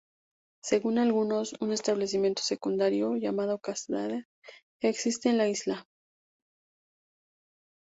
Según algunos, un establecimiento secundario llamado Cascade existe en la isla.